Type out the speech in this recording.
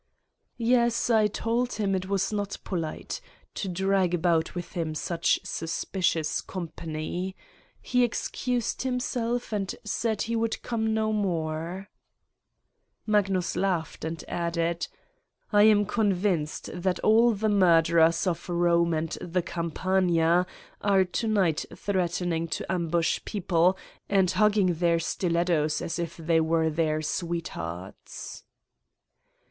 "Yes, I told him it was not polite to drag about with him such suspicions company. He ex cused himself and said he would come no more," Magnus laughed and added: "I am convinced that all the murderers of Eome and the Campagna are to night threatening to ambush people and hug ging their stilettos as if they were their sweet hearts.